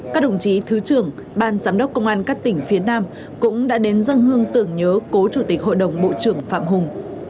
các đồng chí thứ trưởng ban giám đốc công an các tỉnh phía nam cũng đã đến dân hương tưởng nhớ cố chủ tịch hội đồng bộ trưởng phạm hùng